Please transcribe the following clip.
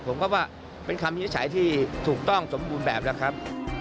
ผมก็ว่าเป็นคำวินิจฉัยที่ถูกต้องสมบูรณ์แบบแล้วครับ